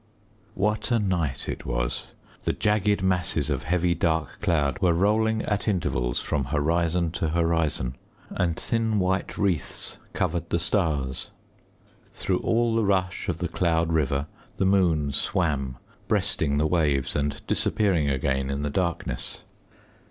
What a night it was! The jagged masses of heavy dark cloud were rolling at intervals from horizon to horizon, and thin white wreaths covered the stars. Through all the rush of the cloud river, the moon swam, breasting the waves and disappearing again in the darkness.